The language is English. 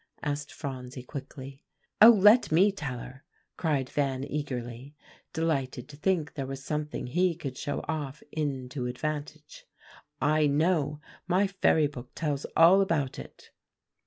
asked Phronsie quickly. "Oh! let me tell her," cried Van eagerly, delighted to think there was something he could show off in to advantage. "I know; my fairy book tells all about it."